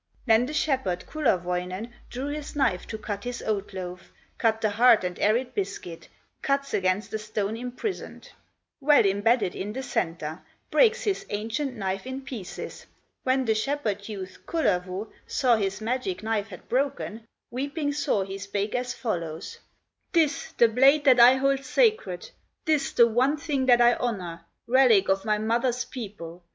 Then the shepherd, Kullerwoinen, Drew his knife to cut his oat loaf, Cut the hard and arid biscuit; Cuts against a stone imprisoned, Well imbedded in the centre, Breaks his ancient knife in pieces; When the shepherd youth, Kullervo, Saw his magic knife had broken, Weeping sore, he spake as follows: "This, the blade that I hold sacred, This the one thing that I honor, Relic of my mother's people!